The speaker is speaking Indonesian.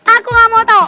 aku gak mau tau